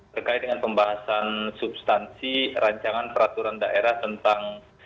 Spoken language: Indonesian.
terkait dengan pembahasan substansi rancangan peraturan daerah tentang